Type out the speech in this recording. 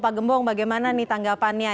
pak gembong bagaimana nih tanggapannya